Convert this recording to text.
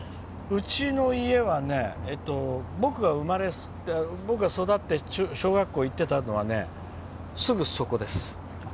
うちは、僕が育って小学校に行ってたのはすぐそこです。